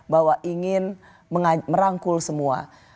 bahwa ingin merangkul semua